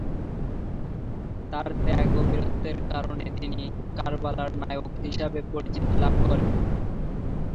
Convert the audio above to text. তার ত্যাগ ও বীরত্বের কারণে তিনি "কারবালার নায়ক" হিসাবে পরিচিতি লাভ করেন।